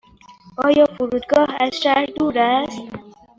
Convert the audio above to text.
آیا فرودگاه از شهر دور است؟